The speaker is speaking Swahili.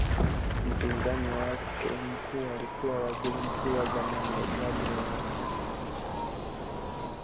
Mpinzani wake mkuu alikuwa Waziri Mkuu wa zamani Edward Lowassa